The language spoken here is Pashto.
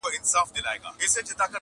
پردى زوى نه زوى کېږي.